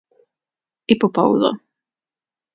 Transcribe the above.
I po pauze.